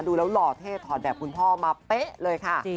ดูแล้วหล่อเท่ถอดแบบคุณพ่อมาเป๊ะเลยค่ะ